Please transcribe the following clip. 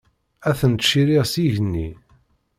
Ad ten-tciriɣ s yigenni.